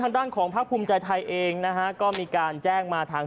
ท่านโจเชษฐการบันกลาง